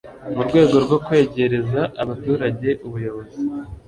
mu rwego rwo kwegereza abaturage ubuyobozi